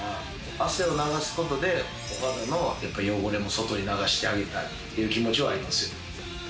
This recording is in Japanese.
汗を流すことで、お肌の汚れも外に流してあげたいという気持ちはありますよね。